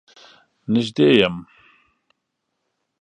نږدې يم.